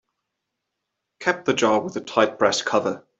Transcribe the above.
Cap the jar with a tight brass cover.